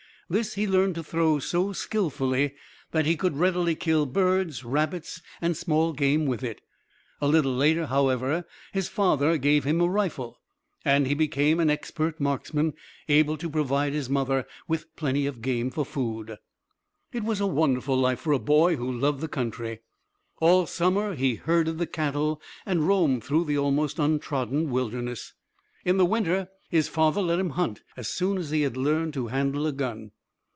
This he learned to throw so skilfully that he could readily kill birds, rabbits, and small game with it. A little later, however, his father gave him a rifle, and he became an expert marksman, able to provide his mother with plenty of game for food. It was a wonderful life for a boy who loved the country. All summer he herded the cattle and roamed through the almost untrodden wilderness. In the winter his father let him hunt as soon as he had learned to handle a gun.